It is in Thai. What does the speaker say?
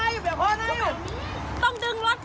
แกเรียกเปลี่ยงพ้นนั่งนั่งแกเรียกเปลี่ยงพ้นไหนอยู่เปลี่ยงพ้นไหนอยู่